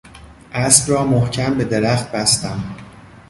اسب را محکم به درخت بستم.